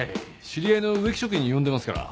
知り合いの植木職人呼んでますから。